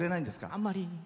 あんまり。